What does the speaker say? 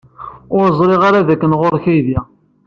Ur ẓriɣ ara dakken ɣer-k aydi.